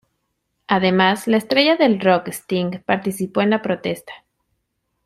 Además la estrella del rock Sting participó en la protesta.